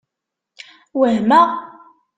Wehmeɣ.